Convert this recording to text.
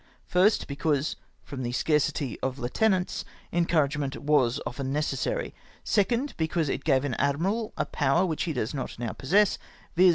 First, because — from the scar city of heutenants — encouragement was often neces sary; secondly, because it gave an admfral a power which he does not now possess, viz.